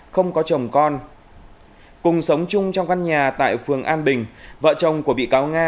không có chồng con cùng sống chung trong căn nhà tại phường an bình vợ chồng của bị cáo nga